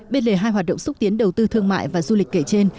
bên lề hai hoạt động xúc tiến đầu tư thương mại và du lịch kể trên